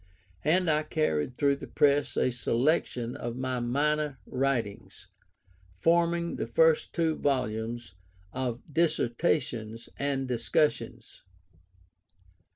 And I carried through the press a selection of my minor writings, forming the first two volumes of Dissertations and Discussions.